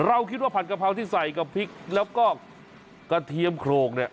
เราคิดว่าผัดกะเพราที่ใส่กับพริกแล้วก็กระเทียมโขลก